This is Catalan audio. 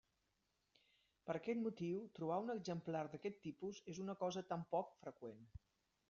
Per aquest motiu trobar un exemplar d'aquest tipus és una cosa tan poc freqüent.